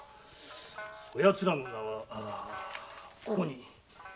そやつらの名はここに。